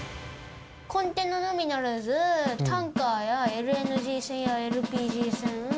コンテナのみならず、タンカーやＬＮＧ船やＬＰＧ船。